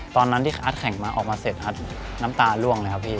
ตอนนั้นที่อาร์ตแข่งมาออกมาเสร็จอัดน้ำตาล่วงเลยครับพี่